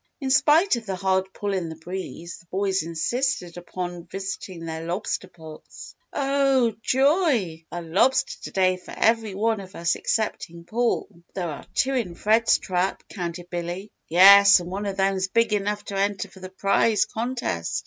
In spite of the hard pull in the breeze, the boys insisted upon visiting their lobster pots. "Oh joy! a lobster to day for every one of us excepting Paul. But there are two in Fred's trap," counted Billy. "Yes, and one of them's big enough to enter for the prise contest.